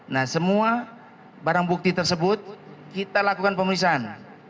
nah semua barang bukti tersebut kita lakukan pemeriksaan